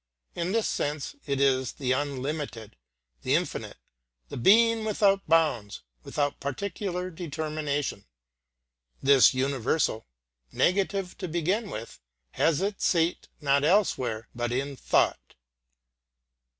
In this sense it is the unlimited, the infinite, the being without bounds, without particular determination. This universal, negative to begin with, has its seat not elsewhere than in thought.